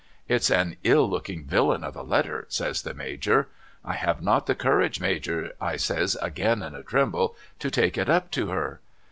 * It's an ill looking villain of a letter,' says the Major. ' I have not the courage Major ' I says again in a tremble ' to take it up to her.'